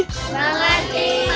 mengerti pak ustaz